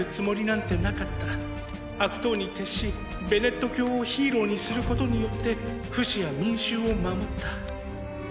悪党に徹しベネット教をヒーローにすることによってフシや民衆を守った。